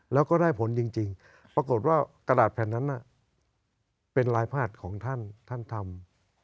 แล้วก็ได้ผลจริงปรากฏว่ากระดาษแผ่นนั้นเป็นลายพาดของท่านท่านทำ